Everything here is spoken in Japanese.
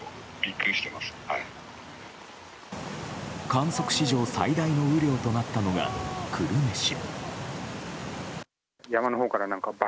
観測史上最大の雨量となったのが久留米市。